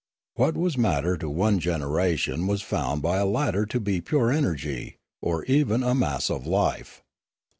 What was matter to one generation was found by a later to be pure energy, or even a mass of life.